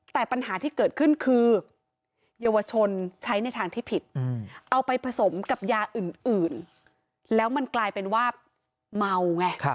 แต่ปัญหาที่เกิดขึ้นคือเยาวชนใช้ในทางที่ผิดเอาไปผสมกับยาอื่นแล้วมันกลายเป็นว่าเมาไง